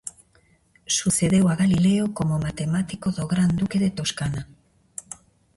Sucedeu a Galileo como matemático do gran duque de Toscana.